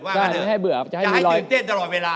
จะให้เบื่อครับจะให้ตื่นเต้นตลอดเวลา